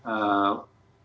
dan ketiga pengakuan keliru